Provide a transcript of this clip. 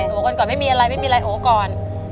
โอโหคนก่อนไม่มีอะไรโอ้วก่อน